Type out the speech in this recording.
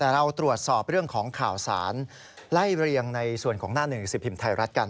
แต่เราตรวจสอบเรื่องของข่าวสารไล่เรียงในส่วนของหน้าหนึ่งสิบพิมพ์ไทยรัฐกัน